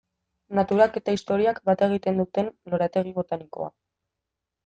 Naturak eta historiak bat egiten duten lorategi botanikoa.